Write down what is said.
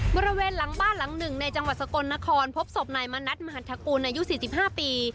บริเวณหลังบ้านหลังหนึ่งในจังหวัดสกลนครพบศพในมนัฏมหาดทะกูนอายุสี่สิบห้าปี